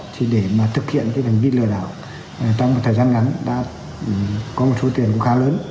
thì để mà thực hiện cái hành vi lừa đảo trong một thời gian ngắn đã có một số tiền cũng khá lớn